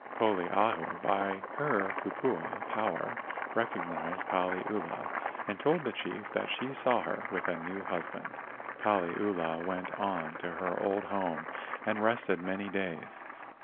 Poliahu by her kupua power recognized Paliula, and told the chief that she saw her with a new husband. Paliula went on to her old home and rested many days.